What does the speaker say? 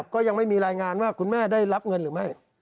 ก็ยังไม่มีรายงานว่าคุณแม่ได้รับเงินหรือไม่